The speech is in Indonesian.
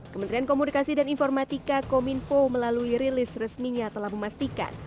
kementerian komunikasi dan informatika kominfo melalui rilis resminya telah memastikan